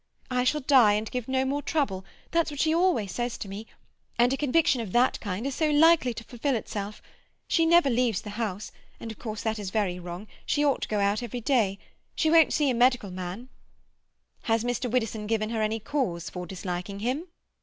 "I shall die, and give no more trouble"—that's what she always says to me. And a conviction of that kind is so likely to fulfil itself. She never leaves the house, and of course that is very wrong; she ought to go out every day. She won't see a medical man." "Has Mr. Widdowson given her any cause for disliking him?"